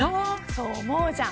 そう思うじゃん。